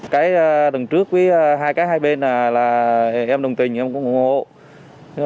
cái đằng trước với hai cái hai bên là em đồng tình em cũng ủng hộ